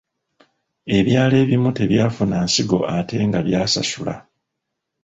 Ebyalo ebimu tebyafuna nsigo ate nga byasasula.